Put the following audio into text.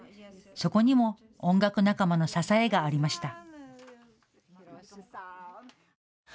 そこにも音楽仲間の支えがありました。